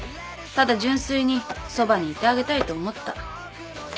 ただ純粋にそばにいてあげたいと思った。